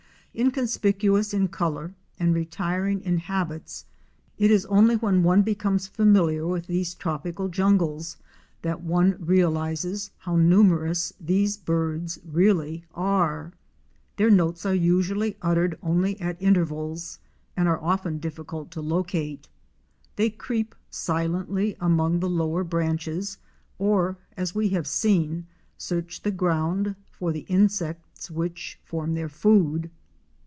Inconspicuous in color and retiring in habits it is only when one becomes familiar with these tropical jungles that one realizes how numerous these birds really are. Their notes are usually uttered only at intervals and are often difficult to locate. They creep silently among the lower branches or, as we have seen, search the ground for the insects which form their food.